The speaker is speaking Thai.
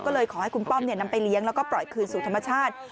ก็เลยขอให้คุณป้อมนำไปเลี้ยงแล้วก็ปล่อยคืนสู่ธรรมชาติ